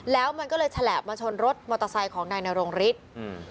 แล้วมันก็เลยฉลาบมาชนรถมอเตอร์ไซค์ของนายนรงฤทธิ์อืม